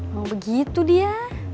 emang begitu dia